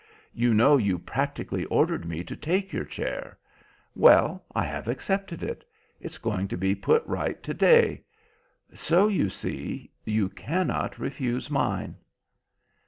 You know you practically ordered me to take your chair. Well, I have accepted it. It is going to be put right to day. So, you see, you cannot refuse mine."